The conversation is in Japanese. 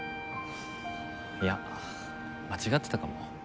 いや間違ってたかも。